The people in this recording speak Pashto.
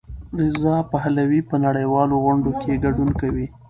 رضا پهلوي په نړیوالو غونډو کې ګډون کوي.